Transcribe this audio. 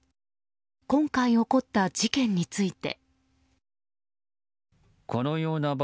今回起こった事件について。